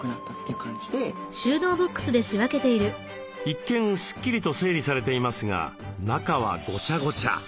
一見スッキリと整理されていますが中はごちゃごちゃ。